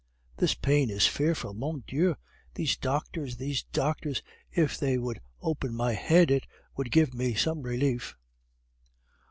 (This pain is fearful! Mon Dieu! These doctors! these doctors! If they would open my head, it would give me some relief!)